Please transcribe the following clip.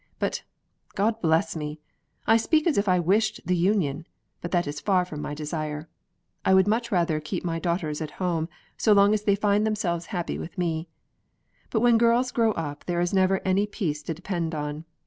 But, God bless me! I speak as if I wished the union, but that is far from my desire: I would much rather keep my daughters at home, so long as they find themselves happy with me; but when girls grow up, there is never any peace to depend on.